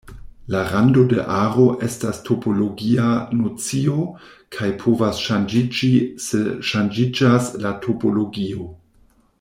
La rando de aro estas topologia nocio kaj povas ŝanĝiĝi se ŝanĝiĝas la topologio.